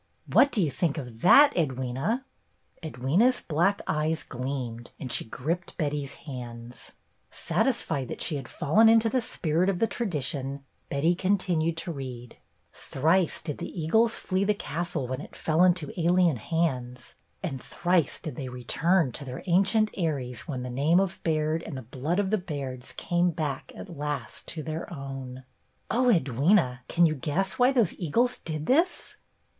What do you think of that, Edwyna ?" Edwyna's black eyes gleamed and she gripped Betty's hands. Satisfied that she had fallen into the spirit of the tradition, Betty continued to read: " 'Thrice did the eagles flee the castle when it fell into alien hands, and thrice did they return to their ancient aeries when the name of Baird and the blood of the Bairds came back at last to their own 1' Oh, Edwyna, can you guess why those eagles did this